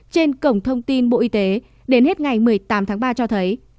trên cổng thông tin bộ y tế đến hết ngày một mươi tám tháng ba cho thấy